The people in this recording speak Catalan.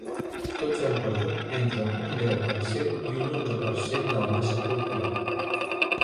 Tots han perdut entre un deu per cent i un onze per cent de la massa corporal.